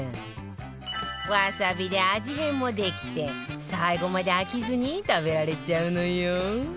ワサビで味変もできて最後まで飽きずに食べられちゃうのよ